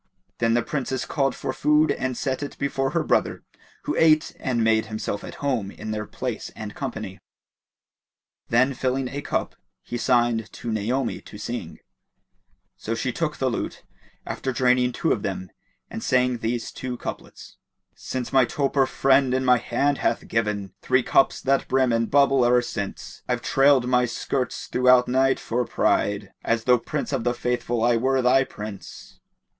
Then the Princess called for food and set it before her brother, who ate and made himself at home in their place and company. Then filling a cup he signed to Naomi to sing; so she took the lute, after draining two of them and sang these two couplets, "Since my toper friend in my hand hath given * Three cups that brim and bubble, e'er since I've trailed my skirts throughout night for pride * As tho', Prince of the Faithful, I were thy Prince!"